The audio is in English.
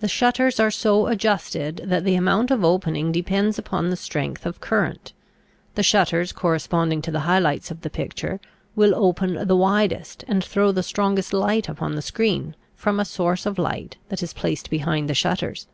The shutters are so adjusted that the amount of opening depends upon the strength of current. The shutters corresponding to the high lights of the picture will open the widest and throw the strongest light upon the screen, from a source of light that is placed behind the shutters.